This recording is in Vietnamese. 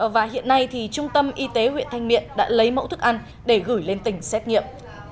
và hiện nay trung tâm y tế huyện thanh miện đã lấy mẫu thức ăn để gửi lên tỉnh xét nghiệm